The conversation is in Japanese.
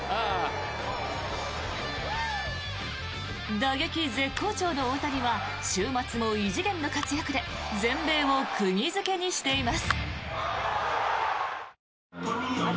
打撃絶好調の大谷は週末も異次元の活躍で全米を釘付けにしています。